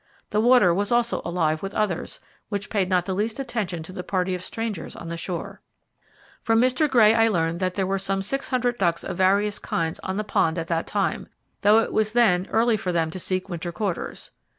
The water was also alive with others, which paid not the least attention to the party of strangers on the shore. From Mr. Gray I learned that there were some 600 ducks of various kinds on the pond at that time, though it was then early for them to seek winter quarters.